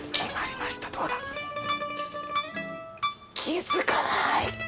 気付かない！